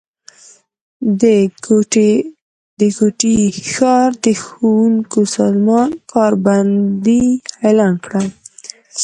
د کوټي ښار د ښونکو سازمان کار بندي اعلان کړه